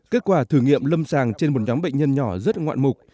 kết quả thử nghiệm lâm sàng trên một nhóm bệnh nhân nhỏ rất ngoạn mục